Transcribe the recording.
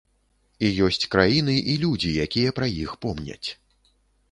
І ёсць краіны і людзі, якія пра іх помняць.